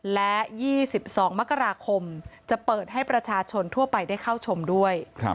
และ๒๒มกราคมจะเปิดให้ประชาชนทั่วไปได้เข้าชมด้วย